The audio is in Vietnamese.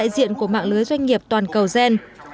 doanh nghiệp toàn cầu gen